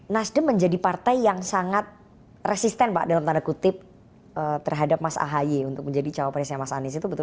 nasdem menjadi partai yang sangat resisten pak dalam tanda kutip terhadap mas ahy untuk menjadi cawapresnya mas anies itu betul